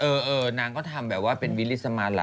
เออนางก็ทำแบบว่าเป็นวิลิสมาระ